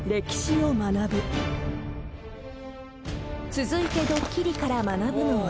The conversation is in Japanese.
［続いてドッキリから学ぶのは］